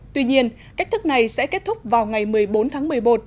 tuy nhiên cách thức này sẽ kết thúc vào ngày một mươi bốn tháng một mươi một